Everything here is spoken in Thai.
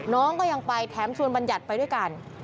น้องก็ยังไปแถมชวนบัญญัติไปด้วยกัน